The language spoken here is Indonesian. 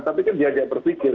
tapi kan diajak berpikir